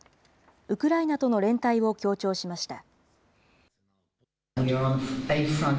ウクライナとの連帯を強調しました。